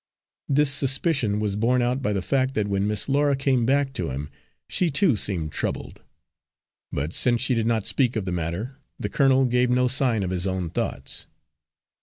This suspicion was borne out by the fact that when Miss Laura came back to him, she too seemed troubled. But since she did not speak of the matter, the colonel gave no sign of his own thoughts.